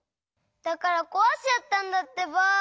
だからこわしちゃったんだってば。